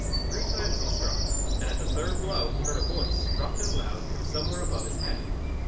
Three times he struck, and at the third blow he heard a voice, rough and loud, from somewhere above his head.